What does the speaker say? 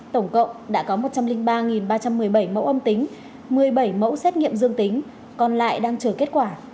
tổng cộng đã có một trăm linh ba ba trăm một mươi bảy mẫu âm tính một mươi bảy mẫu xét nghiệm dương tính còn lại đang chờ kết quả